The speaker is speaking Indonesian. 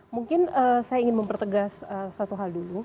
mungkin saya ingin mempertegas satu hal dulu